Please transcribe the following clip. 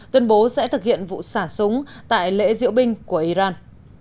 tuyên bố sẽ thực hiện vụ xả súng tại lễ diễu binh của iran